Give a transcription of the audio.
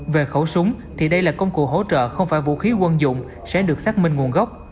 về khẩu súng thì đây là công cụ hỗ trợ không phải vũ khí quân dụng sẽ được xác minh nguồn gốc